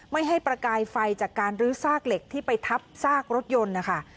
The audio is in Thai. ไม่ให้ประกายไฟจากการลื้อซากเหล็กที่ไปทับซากรถยนต์นะคะ